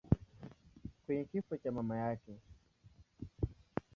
kwenye kifo cha mama yake.